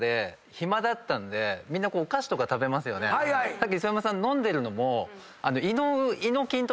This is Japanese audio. さっき磯山さん飲んでるのも。